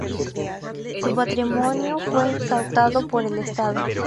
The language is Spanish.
Su patrimonio fue incautado por el Estado.